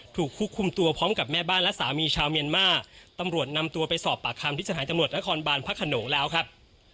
ถูกควบคุมตัวพร้อมกับแม่บ้านและสามีชาวเมียนมาตำรวจนำตัวไปสอบปากคำที่สถานจำรวจนครบานพระขนงแล้วครับ